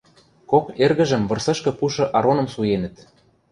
Кок эргӹжӹм вырсышкы пушы Ароным суенӹт...